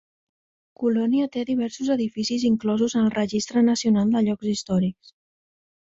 Colònia té diversos edificis inclosos en el Registre Nacional de Llocs Històrics.